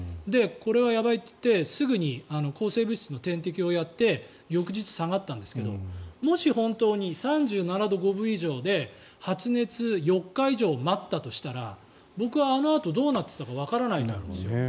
これはやばいっていってすぐに抗生物質の点滴をやって翌日、下がったんですけどもし本当に３７度５分以上で発熱４日以上待ったとしたら僕はあのあとどうなっていたかわからないと思うんですよ。